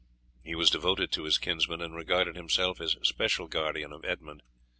He was devoted to his kinsmen and regarded himself as special guardian of Edmund.